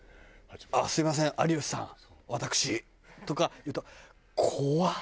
「ああすみません有吉さん私」とか言うと怖っ。